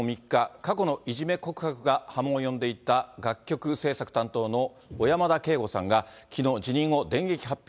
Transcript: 過去のいじめ告白が波紋を呼んでいた楽曲制作担当の小山田圭吾さんがきのう、辞任を電撃発表。